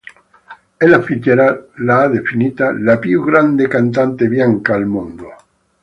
Ella Fitzgerald l'ha definita "la più grande cantante bianca al mondo".